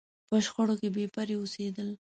په شخړو کې بې پرې اوسېدل.